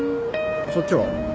そっちは？